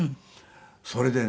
それでね。